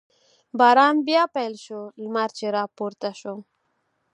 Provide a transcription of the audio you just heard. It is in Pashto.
باران بیا پیل شو، لمر چې را پورته شو.